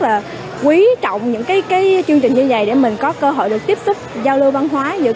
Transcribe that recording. và quý trọng những cái chương trình như vậy để mình có cơ hội được tiếp xúc giao lưu văn hóa giữa